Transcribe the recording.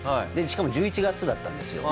しかも１１月だったんですよ。